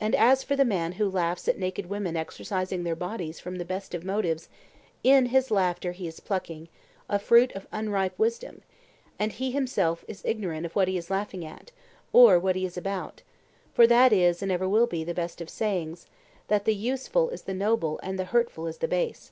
And as for the man who laughs at naked women exercising their bodies from the best of motives, in his laughter he is plucking 'A fruit of unripe wisdom,' and he himself is ignorant of what he is laughing at, or what he is about;—for that is, and ever will be, the best of sayings, That the useful is the noble and the hurtful is the base.